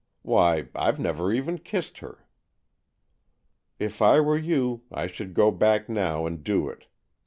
Why, I've never even kissed her." " If I were you, I should go back now and do it.